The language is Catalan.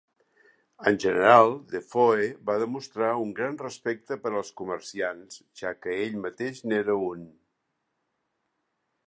En general, Defoe va demostrar un gran respecte per als comerciants, ja que ell mateix n'era un.